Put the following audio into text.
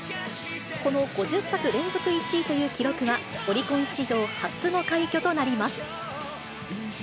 この５０作連続１位という記録はオリコン史上初の快挙となります。